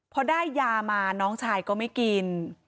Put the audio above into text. พอได้ยามาน้องชายก็ไม่กิน